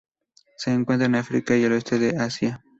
Se encuentra en África y el oeste de Asia.